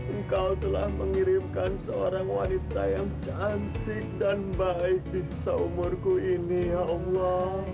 engkau telah mengirimkan seorang wanita yang cantik dan baik di seumurku ini ya allah